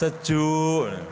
saya sudah berada di ruangan ini